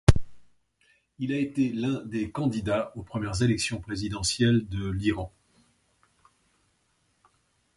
Il a été un des candidats aux premières élections présidentielles de l'Iran.